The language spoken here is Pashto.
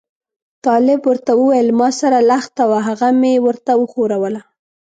طالب ورته وویل ما سره لښته وه هغه مې ورته وښوروله.